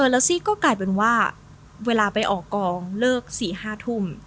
แล้วซี่ก็กลายเป็นว่าเวลาไปออกกองเลิก๔๕ทุ่ม